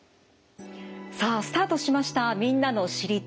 さあスタートしました「みんなの『知りたい！』」。